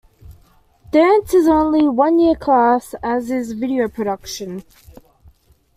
Dance is only a one-year class, as is Video Production.